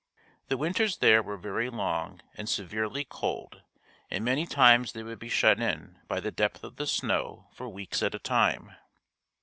The winters there were very long and severely cold and many times they would be shut in by the depth of the snow for weeks at a time.